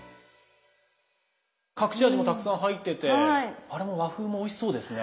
隠し味もたくさん入っててあれも和風もおいしそうですね。